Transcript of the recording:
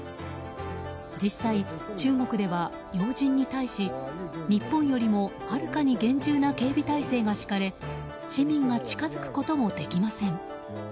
実際、中国では要人に対し日本よりもはるかに厳重な警備態勢が敷かれ市民が近づくこともできません。